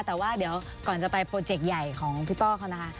แต่ว่าเดี๋ยวก่อนจะไปโปรเจกต์ใหญ่ของพี่ป้อเขานะคะ